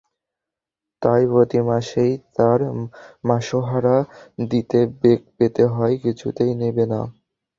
তাই প্রতি মাসেই তার মাসোহারা দিতে বেগ পেতে হয়—কিছুতেই নেবে না।